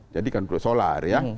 jadi kan solar ya